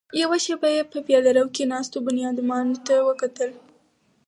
يوه شېبه يې په پياده رو کې ناستو بنيادمانو ته وکتل.